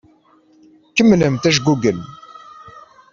Kemmlemt ajgugel.